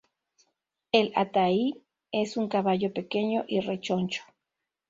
El Altái es un caballo pequeño y rechoncho.